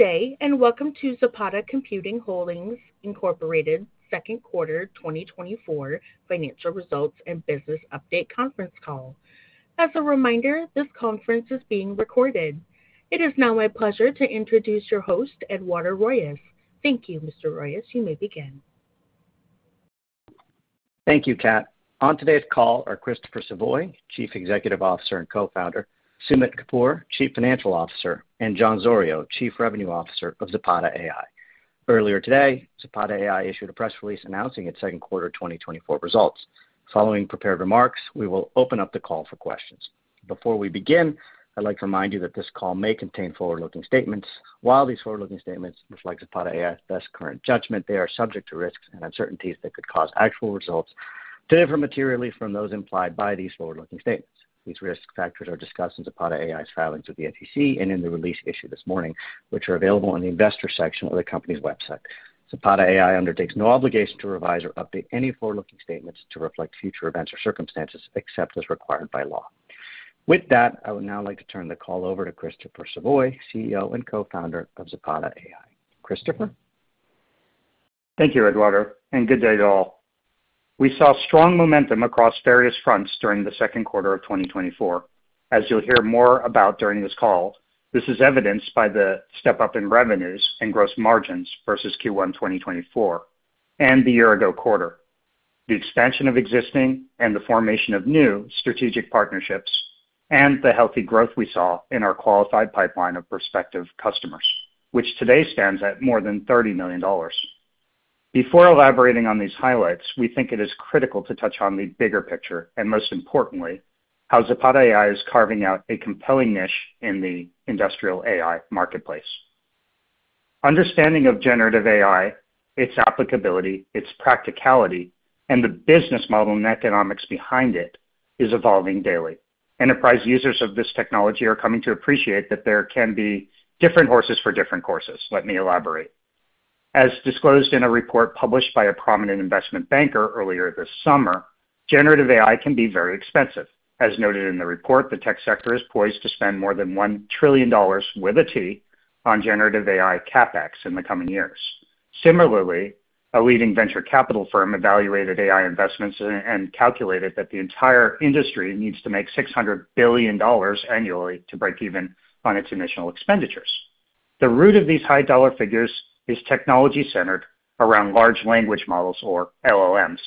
Good day, and welcome to Zapata Computing Holdings Incorporated Second Quarter 2024 Financial Results and Business Update Conference Call. As a reminder, this conference is being recorded. It is now my pleasure to introduce your host, Eduardo Royes. Thank you, Mr. Royes. You may begin. Thank you, Kat. On today's call are Christopher Savoie, Chief Executive Officer and Co-founder, Sumit Kapur, Chief Financial Officer, and Jon Zorio, Chief Revenue Officer of Zapata AI. Earlier today, Zapata AI issued a press release announcing its second quarter 2024 results. Following prepared remarks, we will open up the call for questions. Before we begin, I'd like to remind you that this call may contain forward-looking statements. While these forward-looking statements reflect Zapata AI's best current judgment, they are subject to risks and uncertainties that could cause actual results to differ materially from those implied by these forward-looking statements. These risk factors are discussed in Zapata AI's filings with the SEC and in the release issued this morning, which are available on the investor section of the company's website. Zapata AI undertakes no obligation to revise or update any forward-looking statements to reflect future events or circumstances, except as required by law. With that, I would now like to turn the call over to Christopher Savoie, CEO and Co-founder of Zapata AI. Christopher? Thank you, Eduardo, and good day to all. We saw strong momentum across various fronts during the second quarter of 2024, as you'll hear more about during this call. This is evidenced by the step-up in revenues and gross margins versus Q1 2024 and the year-ago quarter, the expansion of existing and the formation of new strategic partnerships, and the healthy growth we saw in our qualified pipeline of prospective customers, which today stands at more than $30 million. Before elaborating on these highlights, we think it is critical to touch on the bigger picture, and most importantly, how Zapata AI is carving out a compelling niche in the industrial AI marketplace. Understanding of generative AI, its applicability, its practicality, and the business model and economics behind it is evolving daily. Enterprise users of this technology are coming to appreciate that there can be different horses for different courses. Let me elaborate. As disclosed in a report published by a prominent investment banker earlier this summer, generative AI can be very expensive. As noted in the report, the tech sector is poised to spend more than $1 trillion, with a T, on generative AI CapEx in the coming years. Similarly, a leading venture capital firm evaluated AI investments and calculated that the entire industry needs to make $600 billion annually to break even on its initial expenditures. The root of these high dollar figures is technology-centered around large language models or LLMs.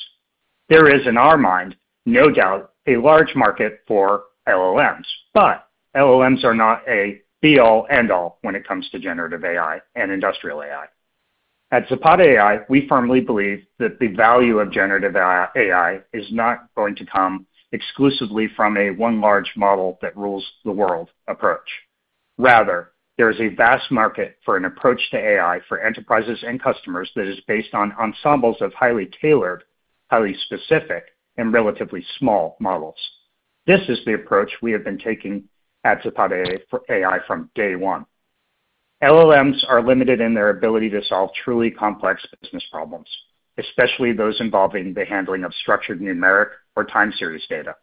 There is, in our mind, no doubt a large market for LLMs, but LLMs are not a be-all, end-all when it comes to generative AI and industrial AI. At Zapata AI, we firmly believe that the value of generative AI, AI is not going to come exclusively from a one large model that rules the world approach. Rather, there is a vast market for an approach to AI for enterprises and customers that is based on ensembles of highly tailored, highly specific, and relatively small models. This is the approach we have been taking at Zapata AI for AI from day one. LLMs are limited in their ability to solve truly complex business problems, especially those involving the handling of structured numeric or time series data.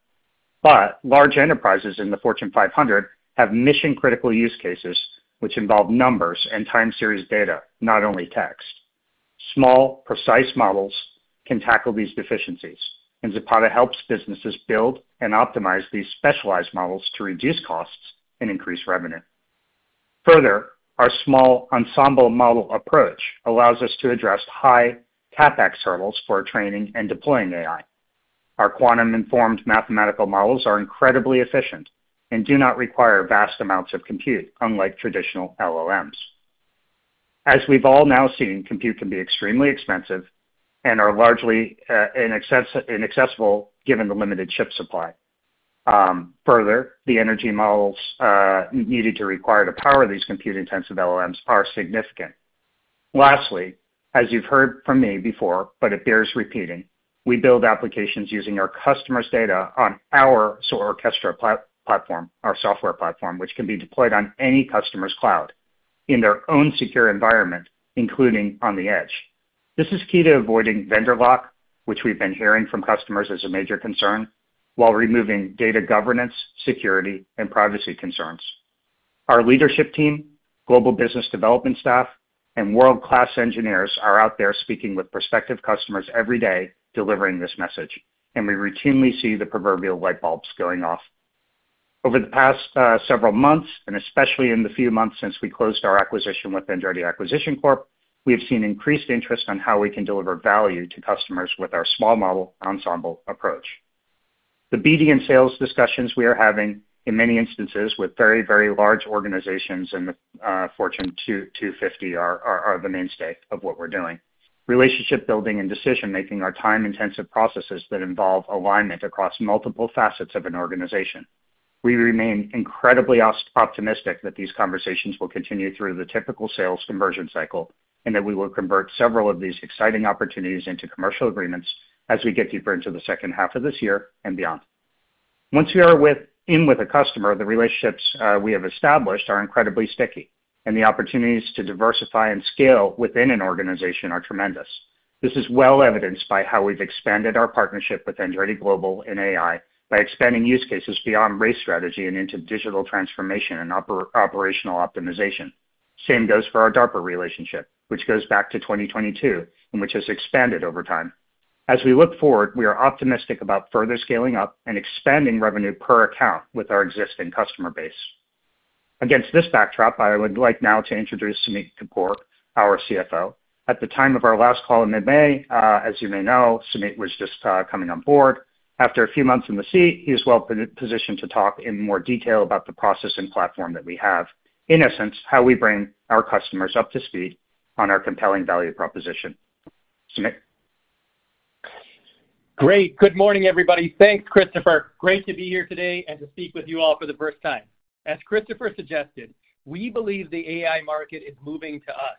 But large enterprises in the Fortune 500 have mission-critical use cases, which involve numbers and time series data, not only text. Small, precise models can tackle these deficiencies, and Zapata helps businesses build and optimize these specialized models to reduce costs and increase revenue. Further, our small ensemble model approach allows us to address high CapEx hurdles for training and deploying AI. Our quantum-informed mathematical models are incredibly efficient and do not require vast amounts of compute, unlike traditional LLMs. As we've all now seen, compute can be extremely expensive and are largely inaccessible, given the limited chip supply. Further, the energy models needed to require to power these compute-intensive LLMs are significant. Lastly, as you've heard from me before, but it bears repeating, we build applications using our customers' data on our Orquestra platform, our software platform, which can be deployed on any customer's cloud in their own secure environment, including on the edge. This is key to avoiding vendor lock, which we've been hearing from customers as a major concern, while removing data governance, security, and privacy concerns. Our leadership team, global business development staff, and world-class engineers are out there speaking with prospective customers every day, delivering this message, and we routinely see the proverbial light bulbs going off. Over the past several months, and especially in the few months since we closed our acquisition with Andretti Acquisition Corp., we have seen increased interest on how we can deliver value to customers with our small model ensemble approach. The BD and sales discussions we are having, in many instances, with very, very large organizations in the Fortune 250 are the mainstay of what we're doing. Relationship building and decision-making are time-intensive processes that involve alignment across multiple facets of an organization. We remain incredibly optimistic that these conversations will continue through the typical sales conversion cycle, and that we will convert several of these exciting opportunities into commercial agreements as we get deeper into the second half of this year and beyond. Once we are in with a customer, the relationships we have established are incredibly sticky, and the opportunities to diversify and scale within an organization are tremendous. This is well evidenced by how we've expanded our partnership with Andretti Global and AI by expanding use cases beyond race strategy and into digital transformation and operational optimization. Same goes for our DARPA relationship, which goes back to 2022, and which has expanded over time. As we look forward, we are optimistic about further scaling up and expanding revenue per account with our existing customer base. Against this backdrop, I would like now to introduce Sumit Kapur, our CFO. At the time of our last call in mid-May, as you may know, Sumit was just coming on board. After a few months in the seat, he is well positioned to talk in more detail about the process and platform that we have. In essence, how we bring our customers up to speed on our compelling value proposition. Sumit? Great. Good morning, everybody. Thanks, Christopher. Great to be here today and to speak with you all for the first time. As Christopher suggested, we believe the AI market is moving to us.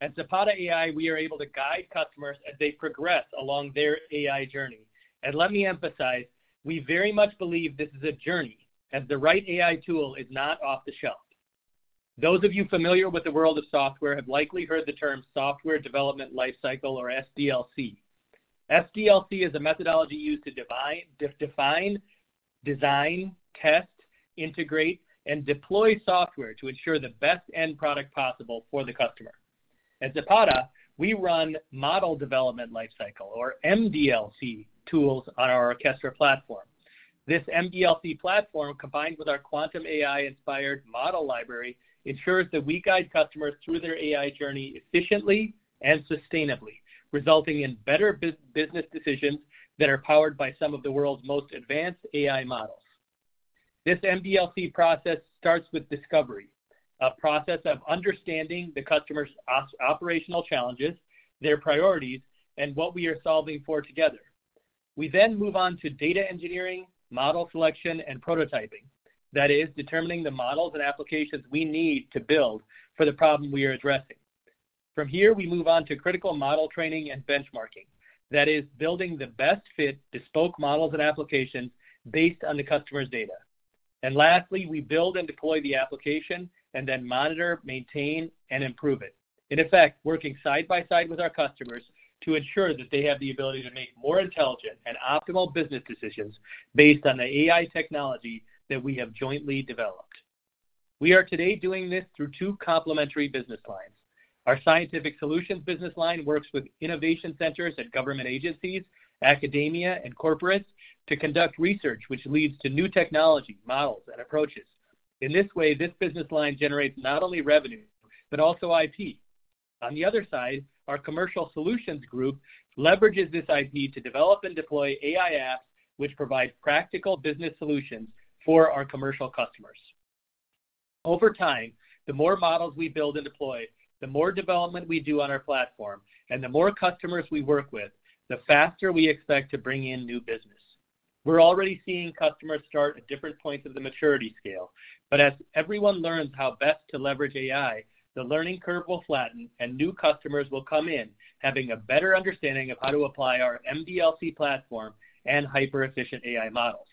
At Zapata AI, we are able to guide customers as they progress along their AI journey. And let me emphasize, we very much believe this is a journey, as the right AI tool is not off the shelf. Those of you familiar with the world of software have likely heard the term software development lifecycle, or SDLC. SDLC is a methodology used to define, design, test, integrate, and deploy software to ensure the best end product possible for the customer. At Zapata, we run Model Development Lifecycle, or MDLC, tools on our Orquestra platform. This MDLC platform, combined with our quantum AI-inspired model library, ensures that we guide customers through their AI journey efficiently and sustainably, resulting in better business decisions that are powered by some of the world's most advanced AI models. This MDLC process starts with discovery, a process of understanding the customer's operational challenges, their priorities, and what we are solving for together. We then move on to data engineering, model selection, and prototyping. That is, determining the models and applications we need to build for the problem we are addressing. From here, we move on to critical model training and benchmarking. That is, building the best fit bespoke models and applications based on the customer's data. Lastly, we build and deploy the application, and then monitor, maintain, and improve it, in effect, working side by side with our customers to ensure that they have the ability to make more intelligent and optimal business decisions based on the AI technology that we have jointly developed. We are today doing this through two complementary business lines. Our Scientific Solutions business line works with innovation centers and government agencies, academia, and corporates to conduct research, which leads to new technology, models, and approaches. In this way, this business line generates not only revenue, but also IP. On the other side, our Commercial Solutions group leverages this IP to develop and deploy AI apps, which provide practical business solutions for our commercial customers. Over time, the more models we build and deploy, the more development we do on our platform, and the more customers we work with, the faster we expect to bring in new business. We're already seeing customers start at different points of the maturity scale, but as everyone learns how best to leverage AI, the learning curve will flatten, and new customers will come in, having a better understanding of how to apply our MDLC platform and hyper-efficient AI models.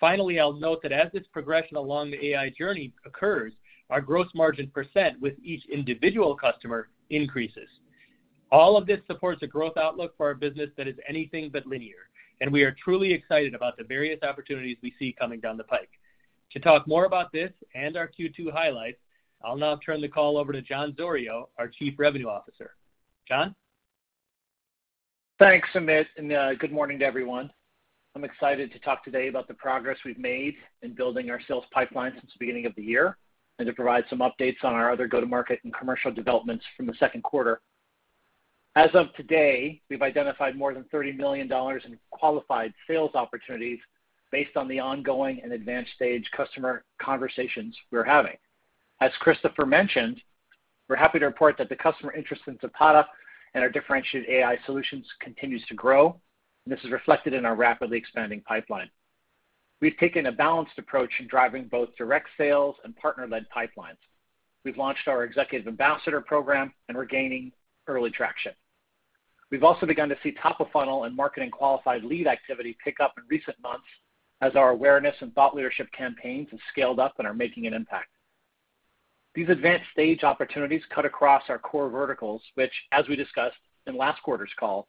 Finally, I'll note that as this progression along the AI journey occurs, our gross margin % with each individual customer increases. All of this supports a growth outlook for our business that is anything but linear, and we are truly excited about the various opportunities we see coming down the pike. To talk more about this and our Q2 highlights, I'll now turn the call over to Jon Zorio, our Chief Revenue Officer. Jon? Thanks, Sumit, and good morning to everyone. I'm excited to talk today about the progress we've made in building our sales pipeline since the beginning of the year, and to provide some updates on our other go-to-market and commercial developments from the second quarter. As of today, we've identified more than $30 million in qualified sales opportunities based on the ongoing and advanced stage customer conversations we're having. As Christopher mentioned, we're happy to report that the customer interest in Zapata and our differentiated AI solutions continues to grow, and this is reflected in our rapidly expanding pipeline. We've taken a balanced approach in driving both direct sales and partner-led pipelines. We've launched our executive ambassador program, and we're gaining early traction. We've also begun to see top-of-funnel and marketing-qualified lead activity pick up in recent months as our awareness and thought leadership campaigns have scaled up and are making an impact. These advanced stage opportunities cut across our core verticals, which, as we discussed in last quarter's call,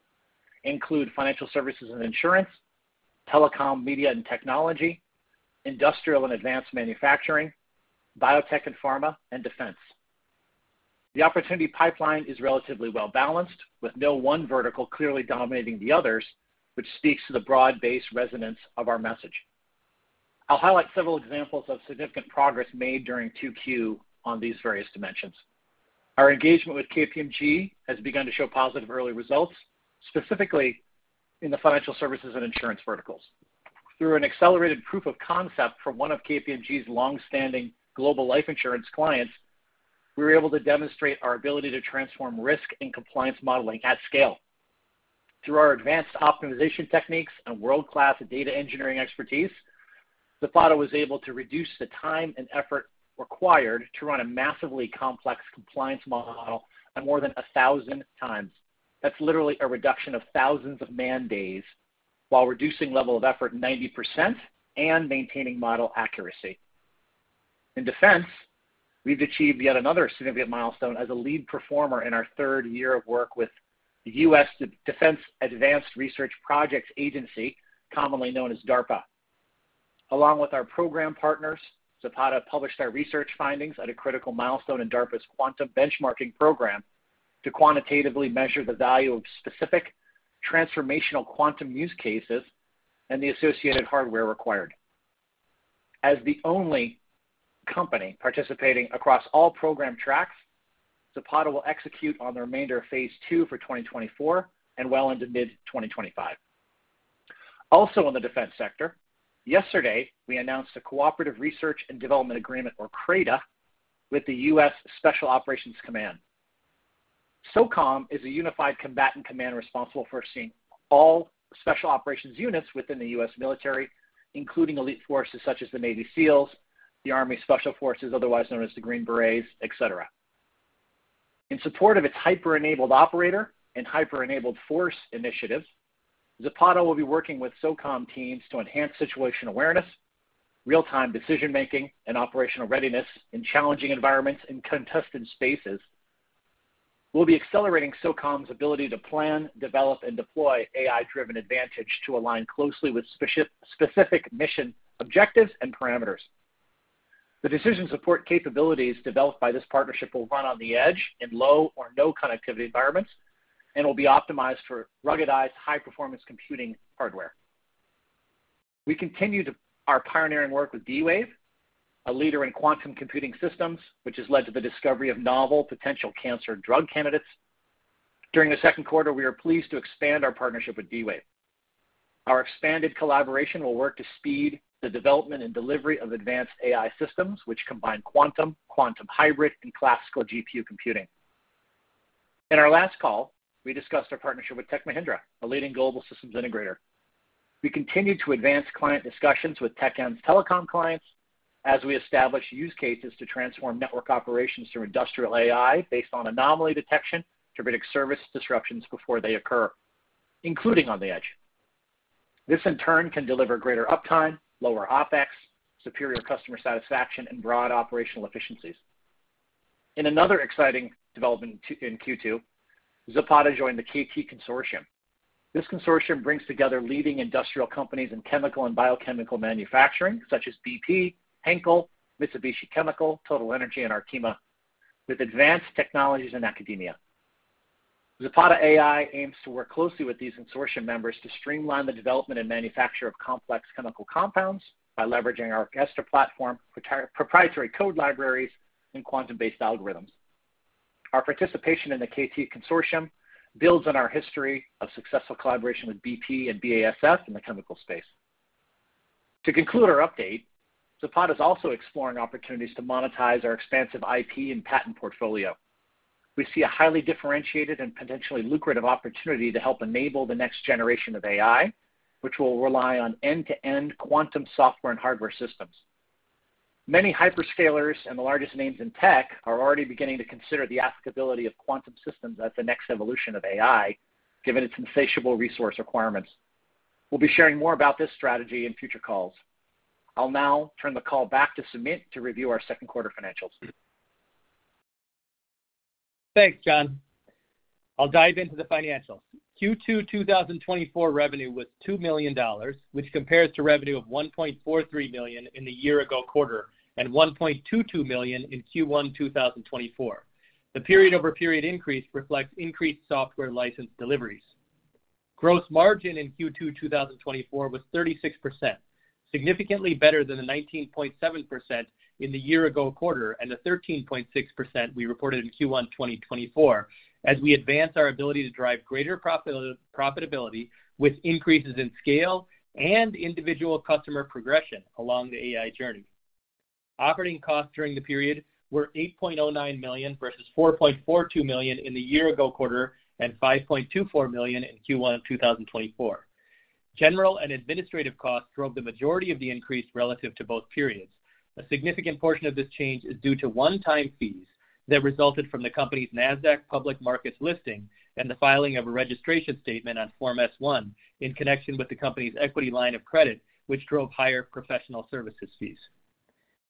include financial services and insurance, telecom, media, and technology, industrial and advanced manufacturing, biotech and pharma, and defense. The opportunity pipeline is relatively well-balanced, with no one vertical clearly dominating the others, which speaks to the broad-based resonance of our message. I'll highlight several examples of significant progress made during 2Q on these various dimensions. Our engagement with KPMG has begun to show positive early results, specifically in the financial services and insurance verticals. Through an accelerated proof of concept from one of KPMG's long-standing global life insurance clients, we were able to demonstrate our ability to transform risk and compliance modeling at scale. Through our advanced optimization techniques and world-class data engineering expertise, Zapata was able to reduce the time and effort required to run a massively complex compliance model by more than 1,000 times. That's literally a reduction of thousands of man days, while reducing level of effort 90% and maintaining model accuracy. In defense, we've achieved yet another significant milestone as a lead performer in our third year of work with the U.S. Defense Advanced Research Projects Agency, commonly known as DARPA. Along with our program partners, Zapata published our research findings at a critical milestone in DARPA's Quantum Benchmarking Program to quantitatively measure the value of specific transformational quantum use cases and the associated hardware required. As the only company participating across all program tracks, Zapata will execute on the remainder of Phase II for 2024 and well into mid-2025. Also, in the defense sector, yesterday, we announced a cooperative research and development agreement, or CRADA, with the U.S. Special Operations Command. SOCOM is a unified combatant command responsible for overseeing all special operations units within the U.S. military, including elite forces such as the Navy SEALs, the Army Special Forces, otherwise known as the Green Berets, etc. In support of its hyper-enabled operator and hyper-enabled force initiative, Zapata will be working with SOCOM teams to enhance situational awareness, real-time decision-making, and operational readiness in challenging environments and contested spaces. We'll be accelerating SOCOM's ability to plan, develop, and deploy AI-driven advantage to align closely with specific mission objectives and parameters. The decision support capabilities developed by this partnership will run on the edge in low or no connectivity environments and will be optimized for ruggedized, high-performance computing hardware. We continue to our pioneering work with D-Wave, a leader in quantum computing systems, which has led to the discovery of novel potential cancer drug candidates. During the second quarter, we are pleased to expand our partnership with D-Wave. Our expanded collaboration will work to speed the development and delivery of advanced AI systems, which combine quantum, quantum hybrid, and classical GPU computing. In our last call, we discussed our partnership with Tech Mahindra, a leading global systems integrator. We continued to advance client discussions with Tech Mahindra's telecom clients as we established use cases to transform network operations through industrial AI based on anomaly detection to predict service disruptions before they occur, including on the edge. This, in turn, can deliver greater uptime, lower OpEx, superior customer satisfaction, and broad operational efficiencies. In another exciting development in Q2, Zapata joined the KT Consortium. This consortium brings together leading industrial companies in chemical and biochemical manufacturing, such as BP, Henkel, Mitsubishi Chemical, TotalEnergies, and Arkema, with advanced technologies in academia. Zapata AI aims to work closely with these consortium members to streamline the development and manufacture of complex chemical compounds by leveraging our Orquestra platform, proprietary code libraries, and quantum-based algorithms. Our participation in the KT Consortium builds on our history of successful collaboration with BP and BASF in the chemical space. To conclude our update, Zapata is also exploring opportunities to monetize our expansive IP and patent portfolio. We see a highly differentiated and potentially lucrative opportunity to help enable the next generation of AI, which will rely on end-to-end quantum software and hardware systems. Many hyperscalers and the largest names in tech are already beginning to consider the applicability of quantum systems as the next evolution of AI, given its insatiable resource requirements. We'll be sharing more about this strategy in future calls. I'll now turn the call back to Sumit to review our second quarter financials. Thanks, Jon. I'll dive into the financials. Q2 2024 revenue was $2 million, which compares to revenue of $1.43 million in the year-ago quarter and $1.22 million in Q1 2024. The period-over-period increase reflects increased software license deliveries. Gross margin in Q2 2024 was 36%, significantly better than the 19.7% in the year-ago quarter and the 13.6% we reported in Q1 2024, as we advance our ability to drive greater profitability with increases in scale and individual customer progression along the AI journey. Operating costs during the period were $8.09 million versus $4.42 million in the year-ago quarter and $5.24 million in Q1 of 2024. General and administrative costs drove the majority of the increase relative to both periods. A significant portion of this change is due to one-time fees that resulted from the company's NASDAQ public markets listing and the filing of a registration statement on Form S-1 in connection with the company's equity line of credit, which drove higher professional services fees.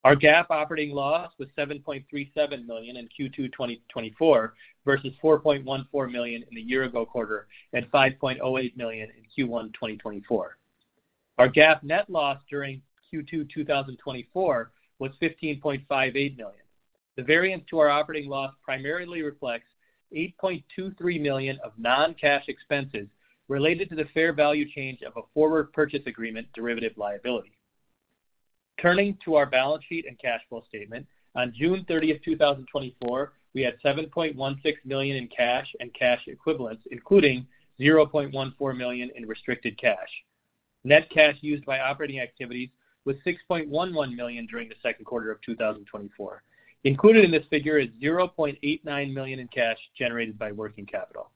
Our GAAP operating loss was $7.37 million in Q2 2024 versus $4.14 million in the year-ago quarter and $5.08 million in Q1 2024. Our GAAP net loss during Q2 2024 was $15.58 million. The variance to our operating loss primarily reflects $8.23 million of non-cash expenses related to the fair value change of a forward purchase agreement derivative liability. Turning to our balance sheet and cash flow statement, on June 30, 2024, we had $7.16 million in cash and cash equivalents, including $0.14 million in restricted cash. Net cash used by operating activities was $6.11 million during the second quarter of 2024. Included in this figure is $0.89 million in cash generated by working capital.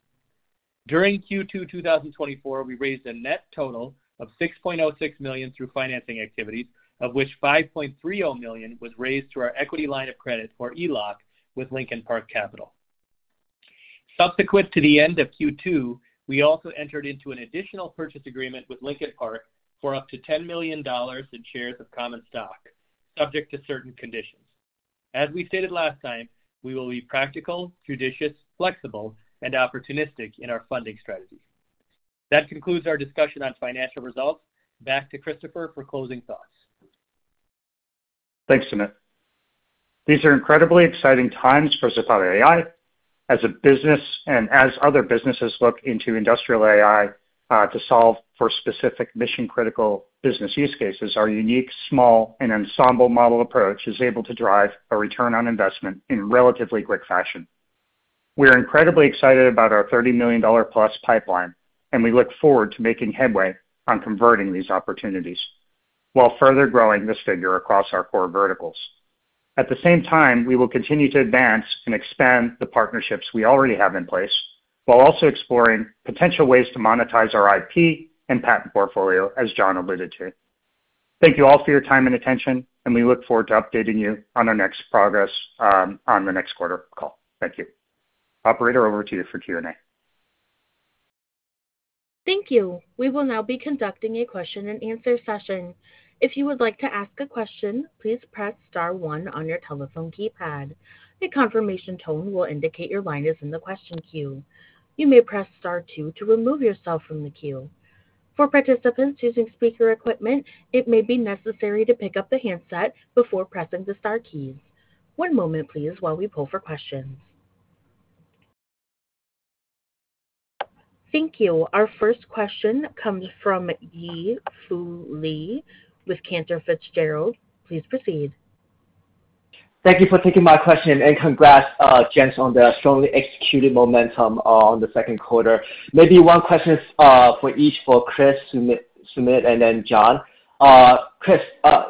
During Q2 2024, we raised a net total of $6.06 million through financing activities, of which $5.30 million was raised through our equity line of credit, or ELOC, with Lincoln Park Capital. Subsequent to the end of Q2, we also entered into an additional purchase agreement with Lincoln Park for up to $10 million in shares of common stock, subject to certain conditions. As we stated last time, we will be practical, judicious, flexible, and opportunistic in our funding strategy. That concludes our discussion on financial results. Back to Christopher for closing thoughts. Thanks, Sumit. These are incredibly exciting times for Zapata AI as a business and as other businesses look into industrial AI to solve for specific mission-critical business use cases, our unique, small, and ensemble model approach is able to drive a return on investment in relatively quick fashion. We are incredibly excited about our $30 million-plus pipeline, and we look forward to making headway on converting these opportunities, while further growing this figure across our core verticals. At the same time, we will continue to advance and expand the partnerships we already have in place, while also exploring potential ways to monetize our IP and patent portfolio, as Jon alluded to. Thank you all for your time and attention, and we look forward to updating you on our next progress on the next quarter call. Thank you. Operator, over to you for Q&A. Thank you. We will now be conducting a question and answer session. If you would like to ask a question, please press star one on your telephone keypad. A confirmation tone will indicate your line is in the question queue. You may press star two to remove yourself from the queue. For participants using speaker equipment, it may be necessary to pick up the handset before pressing the star keys. One moment, please, while we pull for questions. Thank you. Our first question comes from Yi Fu Lee with Cantor Fitzgerald. Please proceed. Thank you for taking my question, and congrats, gents, on the strongly executed momentum on the second quarter. Maybe one question for each, for Chris, Sumit, and then Jon. Chris,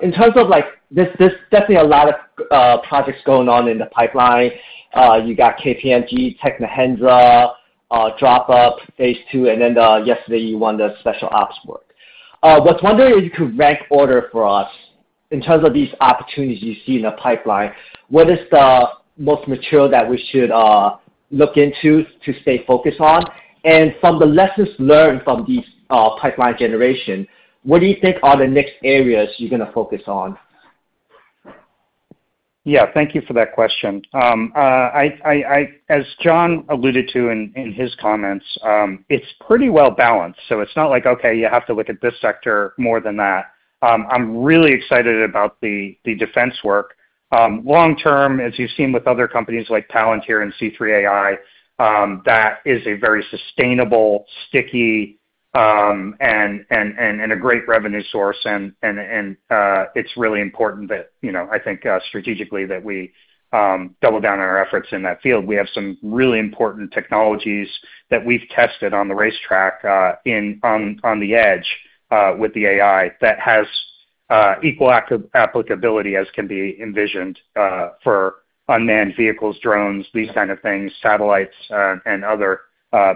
in terms of, like, there's definitely a lot of projects going on in the pipeline. You got KPMG, Tech Mahindra, DARPA phase two, and then yesterday, you won the special ops work. I was wondering if you could rank order for us in terms of these opportunities you see in the pipeline, what is the most mature that we should look into to stay focused on? And from the lessons learned from these pipeline generation, what do you think are the next areas you're gonna focus on? Yeah, thank you for that question. As Jon alluded to in his comments, it's pretty well balanced, so it's not like, okay, you have to look at this sector more than that. I'm really excited about the defense work. Long term, as you've seen with other companies like Palantir and C3 AI, that is a very sustainable, sticky, and a great revenue source, and it's really important that, you know, I think, strategically that we double down on our efforts in that field. We have some really important technologies that we've tested on the racetrack, on the edge, with the AI, that has equal applicability as can be envisioned, for unmanned vehicles, drones, these kind of things, satellites, and other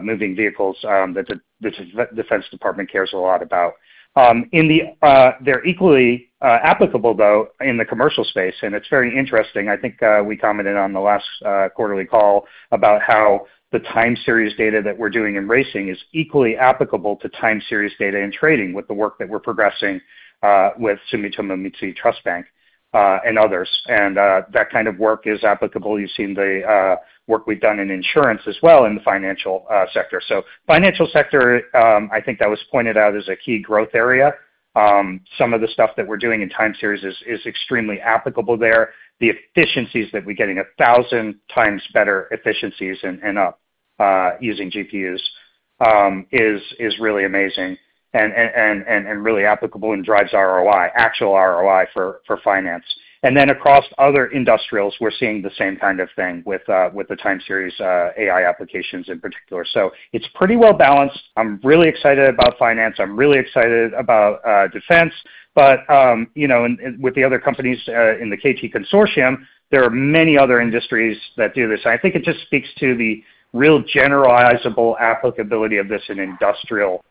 moving vehicles, that the Defense Department cares a lot about. They're equally applicable, though, in the commercial space, and it's very interesting. I think, we commented on the last quarterly call about how the time series data that we're doing in racing is equally applicable to time series data in trading with the work that we're progressing, with Sumitomo Mitsui Trust Bank, and others. And, that kind of work is applicable. You've seen the work we've done in insurance as well in the financial sector. So financial sector, I think that was pointed out as a key growth area. Some of the stuff that we're doing in time series is extremely applicable there. The efficiencies that we're getting, 1,000 times better efficiencies and up using GPUs is really amazing and really applicable and drives ROI, actual ROI for finance. And then across other industrials, we're seeing the same kind of thing with the time series AI applications in particular. So it's pretty well balanced. I'm really excited about finance. I'm really excited about defense. But you know, and with the other companies in the KT Consortium, there are many other industries that do this. I think it just speaks to the real generalizable applicability of this in industrial situations.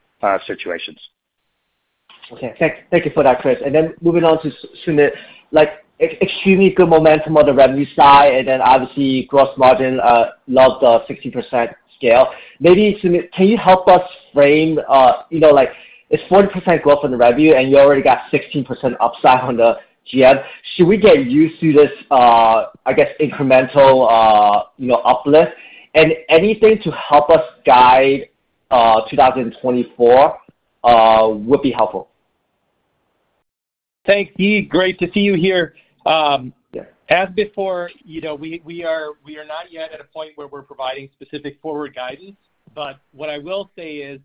Okay. Thank you for that, Chris. And then moving on to Sumit, like, extremely good momentum on the revenue side, and then obviously gross margin, loved the 16% scale. Maybe Sumit, can you help us frame, you know, like it's 40% growth on the revenue, and you already got 16% upside on the GM. Should we get used to this, I guess, incremental, you know, uplift? And anything to help us guide 2024 would be helpful. Thanks, Yi. Great to see you here. As before, you know, we are not yet at a point where we're providing specific forward guidance, but what I will say is,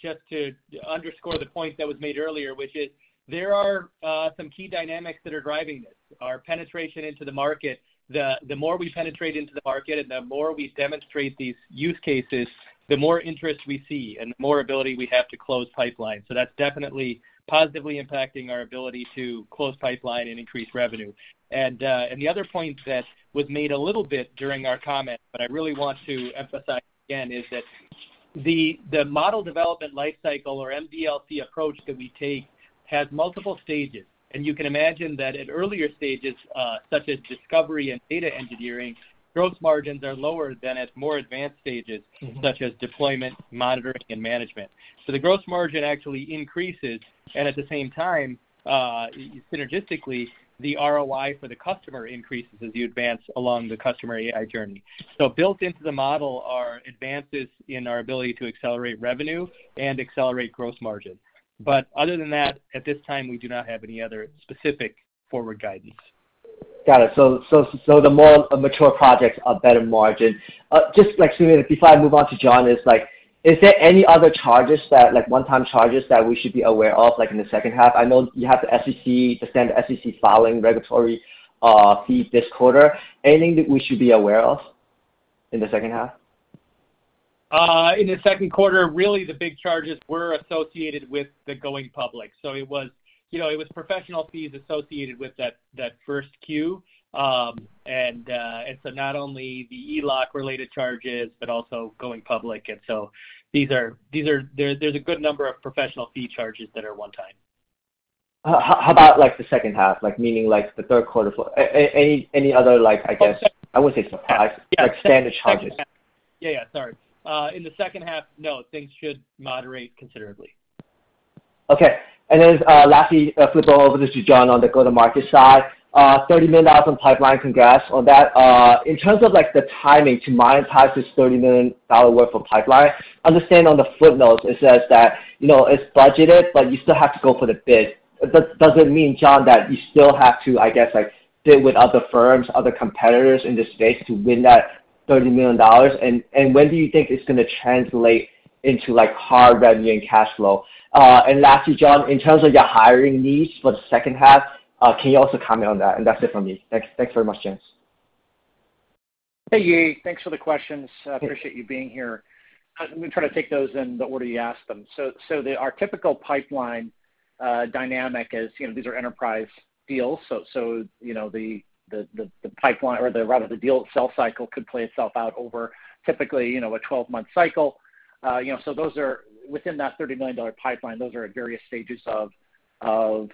just to underscore the point that was made earlier, which is there are some key dynamics that are driving this. Our penetration into the market, the more we penetrate into the market and the more we demonstrate these use cases, the more interest we see and the more ability we have to close pipeline. So that's definitely positively impacting our ability to close pipeline and increase revenue. And, and the other point that was made a little bit during our comments, but I really want to emphasize again, is that. The Model Development Lifecycle, or MDLC approach that we take, has multiple stages. You can imagine that at earlier stages, such as discovery and data engineering, gross margins are lower than at more advanced stages, such as deployment, monitoring, and management. So the gross margin actually increases, and at the same time, synergistically, the ROI for the customer increases as you advance along the customer AI journey. So built into the model are advances in our ability to accelerate revenue and accelerate gross margin. But other than that, at this time, we do not have any other specific forward guidance. Got it. So, so, so the more mature projects are better margin. Just like, Sumit, before I move on to John, is like, is there any other charges that, like, one-time charges that we should be aware of, like, in the second half? I know you have the SEC, the standard SEC filing regulatory fee this quarter. Anything that we should be aware of in the second half? In the second quarter, really the big charges were associated with the going public. So it was, you know, it was professional fees associated with that, that first quarter. And so not only the ELOC-related charges, but also going public. And so these are there, there's a good number of professional fee charges that are one time. How about, like, the second half? Like, meaning, like, the third quarter. Any, any other, like, I guess, I wouldn't say surprise, like, standard charges? Yeah, yeah, sorry. In the second half, no, things should moderate considerably. Okay. Then, lastly, flip over this to Jon on the go-to-market side. $30 million on pipeline. Congrats on that. In terms of, like, the timing to monetize this $30 million worth of pipeline, I understand on the footnotes it says that, you know, it's budgeted, but you still have to go for the bid. Does it mean, Jon, that you still have to, I guess, like, bid with other firms, other competitors in this space to win that $30 million? And when do you think it's gonna translate into, like, hard revenue and cash flow? And lastly, Jon, in terms of your hiring needs for the second half, can you also comment on that? And that's it for me. Thanks. Thanks very much, Jon. Hey, Yi, thanks for the questions. I appreciate you being here. I'm gonna try to take those in the order you asked them. So, our typical pipeline dynamic is, you know, these are enterprise deals. So, you know, the pipeline or, rather, the deal itself cycle could play itself out over typically, you know, a 12-month cycle. You know, so those are within that $30 million pipeline. Those are at various stages of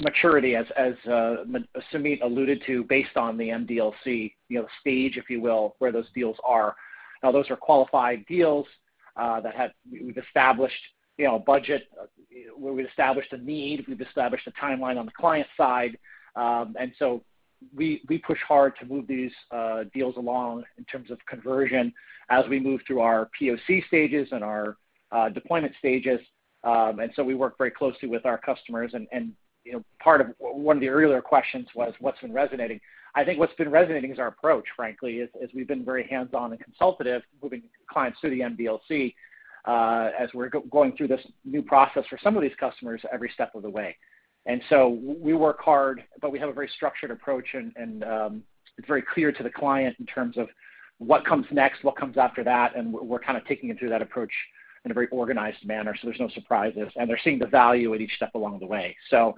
maturity, as Sumit alluded to, based on the MDLC, you know, stage, if you will, where those deals are. Now, those are qualified deals that have... We've established, you know, a budget, where we've established a need, we've established a timeline on the client side. And so we push hard to move these deals along in terms of conversion as we move through our POC stages and our deployment stages. And so we work very closely with our customers, and you know, part of one of the earlier questions was what's been resonating? I think what's been resonating is our approach, frankly. We've been very hands-on and consultative, moving clients through the MDLC as we're going through this new process for some of these customers every step of the way. And so we work hard, but we have a very structured approach, and it's very clear to the client in terms of what comes next, what comes after that, and we're kind of taking them through that approach in a very organized manner, so there's no surprises, and they're seeing the value at each step along the way. So,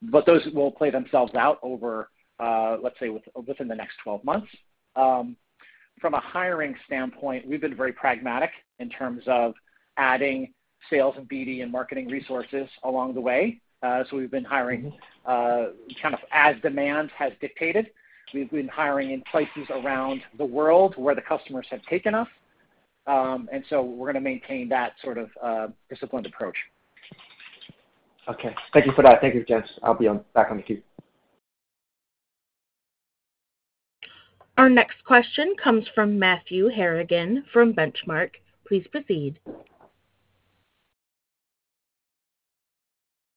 but those will play themselves out over, let's say, within the next 12 months. From a hiring standpoint, we've been very pragmatic in terms of adding sales and BD and marketing resources along the way. So we've been hiring, kind of as demand has dictated. We've been hiring in places around the world where the customers have taken us. And so we're gonna maintain that sort of disciplined approach. Okay. Thank you for that. Thank you, Jon. I'll be on, back on the queue. Our next question comes from Matthew Harrigan from Benchmark. Please proceed.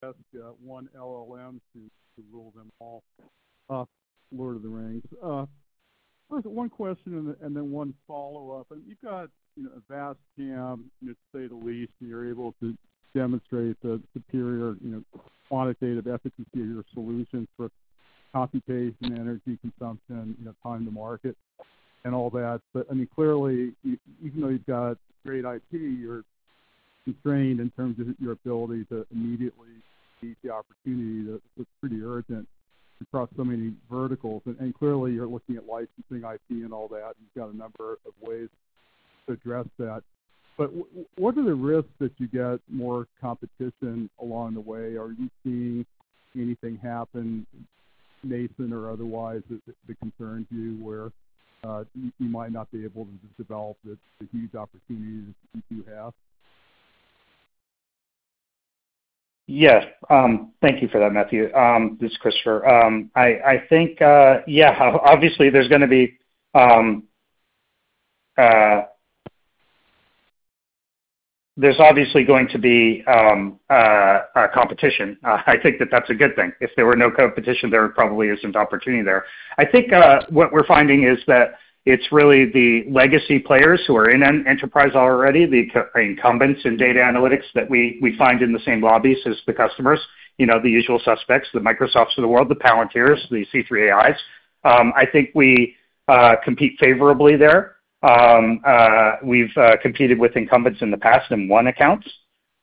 Ask one LLM to rule them all. Lord of the Rings. First, one question and then one follow-up. And you've got, you know, a vast gamut, to say the least, and you're able to demonstrate the superior, you know, quantitative efficacy of your solutions for computation, energy consumption, you know, time to market and all that. But, I mean, clearly, even though you've got great IP, you're constrained in terms of your ability to immediately meet the opportunity that looks pretty urgent across so many verticals. And clearly, you're looking at licensing IP and all that, and you've got a number of ways to address that. But what are the risks that you get more competition along the way? Are you seeing anything happen, nascent or otherwise, that concerns you, where you might not be able to develop the huge opportunities that you have? Yes, thank you for that, Matthew. This is Christopher. I think obviously there's going to be a competition. I think that that's a good thing. If there were no competition, there probably isn't opportunity there. I think what we're finding is that it's really the legacy players who are in an enterprise already, the incumbents in data analytics that we find in the same lobbies as the customers, you know, the usual suspects, the Microsofts of the world, the Palantirs, the C3 AIs. I think we compete favorably there. We've competed with incumbents in the past and won accounts.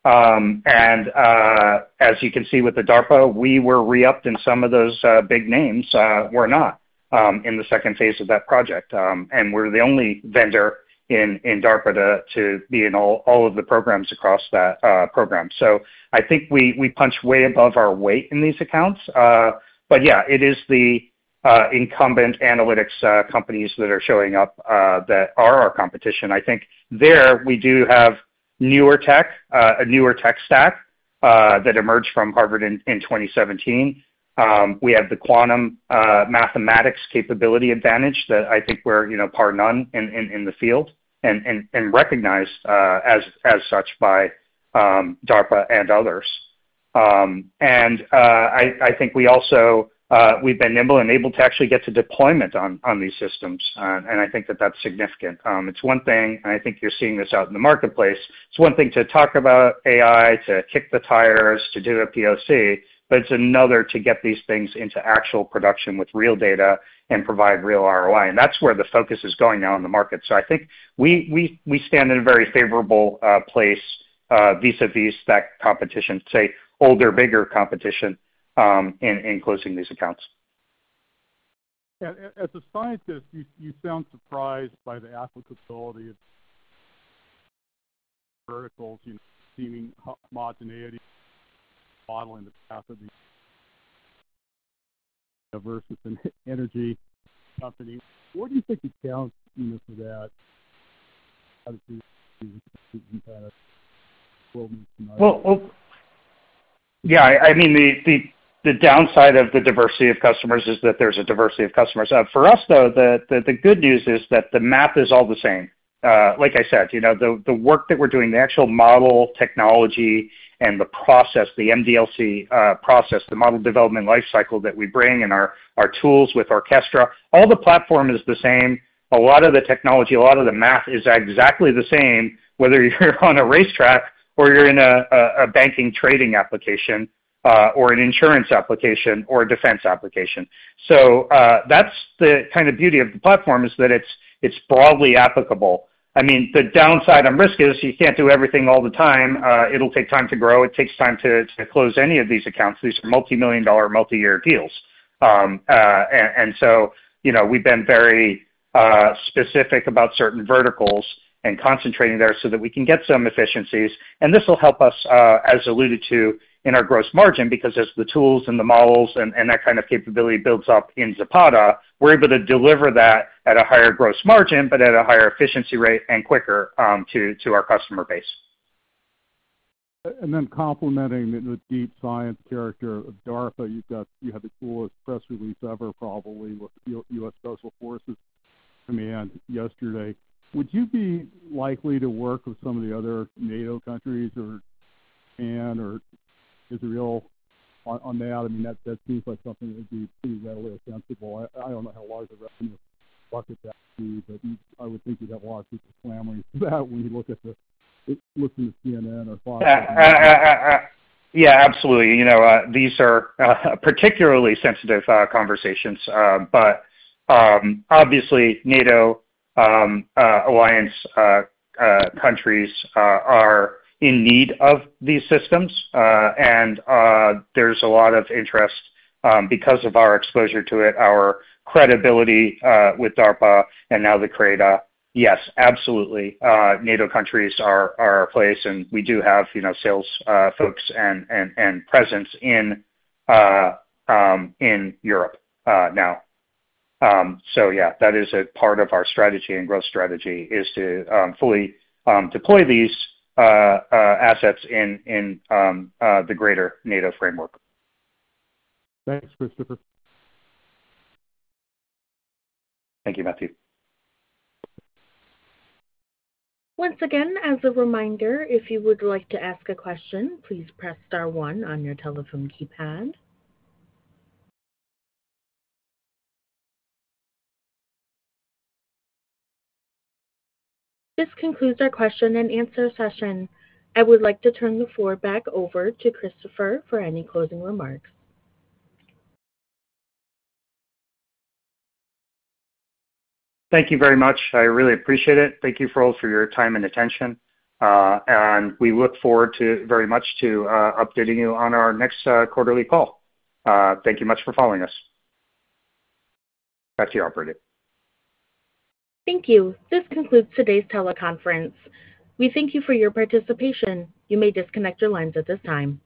And, as you can see with the DARPA, we were re-upped, and some of those big names were not in the second phase of that project. And we're the only vendor in DARPA to be in all of the programs across that program. So I think we punch way above our weight in these accounts. But yeah, it is the incumbent analytics companies that are showing up that are our competition. I think there we do have newer tech, a newer tech stack, that emerged from Harvard in 2017. We have the quantum mathematics capability advantage that I think we're, you know, par none in the field and recognized as such by DARPA and others. And I think we also we've been nimble and able to actually get to deployment on these systems, and I think that that's significant. It's one thing, and I think you're seeing this out in the marketplace. It's one thing to talk about AI, to kick the tires, to do a POC, but it's another to get these things into actual production with real data and provide real ROI, and that's where the focus is going now in the market. So I think we stand in a very favorable place vis-a-vis that competition, say, older, bigger competition, in closing these accounts. Yeah. As a scientist, you sound surprised by the applicability of verticals, you know, seeming homogeneity, modeling the path of the versus an energy company. What do you think the challenge is for that? Well, oh, yeah, I mean, the downside of the diversity of customers is that there's a diversity of customers. For us, though, the good news is that the math is all the same. Like I said, you know, the work that we're doing, the actual model technology and the process, the MDLC process, the model development life cycle that we bring, and our tools with Orquestra, all the platform is the same. A lot of the technology, a lot of the math is exactly the same, whether you're on a racetrack or you're in a banking trading application, or an insurance application, or a defense application. So, that's the kind of beauty of the platform, is that it's broadly applicable. I mean, the downside on risk is you can't do everything all the time. It'll take time to grow. It takes time to close any of these accounts. These are multi-million-dollar, multi-year deals. And so, you know, we've been very specific about certain verticals and concentrating there so that we can get some efficiencies. And this will help us, as alluded to, in our gross margin, because as the tools and the models and that kind of capability builds up in Zapata, we're able to deliver that at a higher gross margin, but at a higher efficiency rate and quicker, to our customer base. And then complementing the deep science character of DARPA, you've got—you have the coolest press release ever, probably, with U.S. Special Operations Command yesterday. Would you be likely to work with some of the other NATO countries or, and, or Israel on, on that? I mean, that, that seems like something that would be pretty readily sensible. I, I don't know how large a revenue bucket that would be, but you—I would think you'd have a lot of people clamoring for that when you look at the... Listen to CNN or Fox. Yeah, absolutely. You know, these are particularly sensitive conversations, but obviously, NATO alliance countries are in need of these systems. And there's a lot of interest, because of our exposure to it, our credibility with DARPA and now the CRADA. Yes, absolutely, NATO countries are a place, and we do have, you know, sales folks and presence in Europe now. So yeah, that is a part of our strategy and growth strategy, is to fully deploy these assets in the greater NATO framework. Thanks, Christopher. Thank you, Matthew. Once again, as a reminder, if you would like to ask a question, please press star one on your telephone keypad. This concludes our question and answer session. I would like to turn the floor back over to Christopher for any closing remarks. Thank you very much. I really appreciate it. Thank you for all for your time and attention, and we look forward to very much to, updating you on our next, quarterly call. Thank you much for following us. Back to you, operator. Thank you. This concludes today's teleconference. We thank you for your participation. You may disconnect your lines at this time.